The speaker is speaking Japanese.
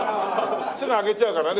すぐ開けちゃうからね